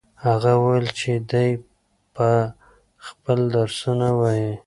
هغه وویل چې دی به خپل درسونه وايي.